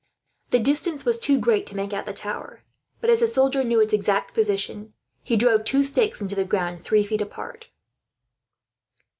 The distance was too great to make out the tower; but as the soldier knew its exact position, he drove two stakes into the ground, three feet apart.